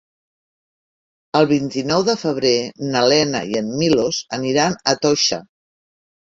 El vint-i-nou de febrer na Lena i en Milos aniran a Toixa.